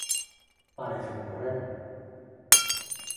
Paréceme correcto.